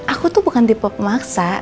aku tuh bukan tipe pemaksa